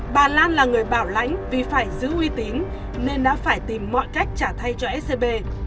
bà lan là người bảo lãnh vì phải giữ uy tín nên đã phải tìm mọi cách trả thay cho scb